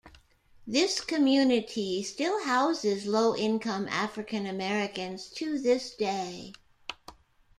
This community still houses low-income African Americans to this day.